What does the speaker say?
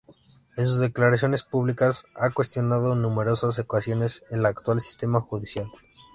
En sus declaraciones públicas ha cuestionado en numerosas ocasiones el actual sistema judicial.